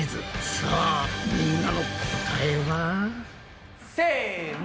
さあみんなの答えは？せの！